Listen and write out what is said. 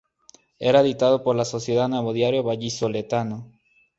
Era editado por la sociedad Nuevo Diario Vallisoletano.